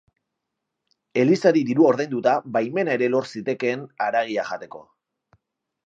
Elizari dirua ordainduta, baimena ere lor zitekeen haragia jateko.